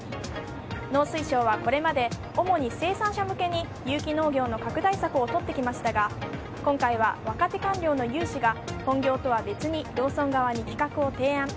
農水省はこれまで主に生産者向けに有機農業の拡大策をとってきましたが今回は若手官僚の有志が本業とは別にローソン側に企画を提案。